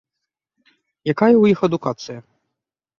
Якая ў іх адукацыя?